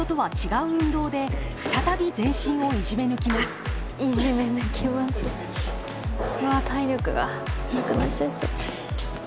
うわ体力がなくなっちゃいそう。